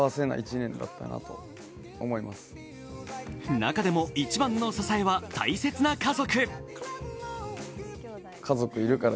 中でも一番の支えは、大切な家族。